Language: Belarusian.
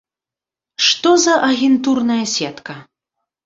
Што за агентурная сетка?